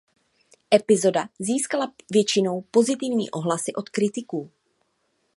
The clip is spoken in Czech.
Epizoda získala většinou pozitivní ohlasy od kritiků.